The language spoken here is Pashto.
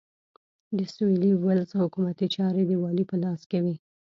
د سوېلي ویلز حکومتي چارې د والي په لاس کې وې.